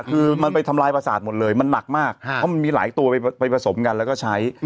คือมันไปทำลายประสาทหมดเลยมันหนักมากเพราะมันมีหลายตัวไปผสมกันแล้วก็ใช้